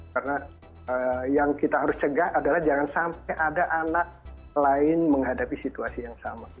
karena yang kita harus cegah adalah jangan sampai ada anak lain menghadapi situasi yang sama